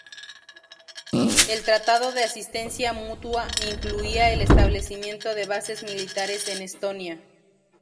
El tratado de asistencia mutua incluía el establecimiento de bases militares en Estonia.